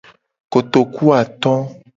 Kotokuato.